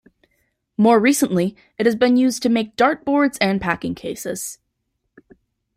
More recently, it has been used to make dart-boards and packing cases.